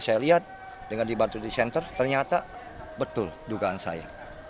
saya lihat dengan dibantu di center ternyata betul dugaan saya